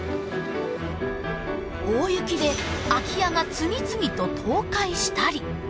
大雪で空き家が次々と倒壊したり。